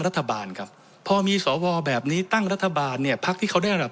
รัฐบาลครับพอมีสวแบบนี้ตั้งรัฐบาลเนี่ยพักที่เขาได้ระดับ